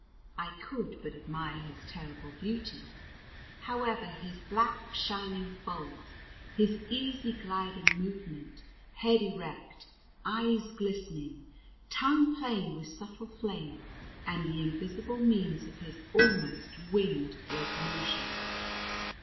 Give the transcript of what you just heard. I could but admire his terrible beauty, however; his black, shining folds, his easy, gliding movement, head erect, eyes glistening, tongue playing like subtle flame, and the invisible means of his almost winged locomotion.